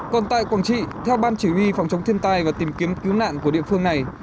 còn tại quảng trị theo ban chỉ huy phòng chống thiên tai và tìm kiếm cứu nạn của địa phương này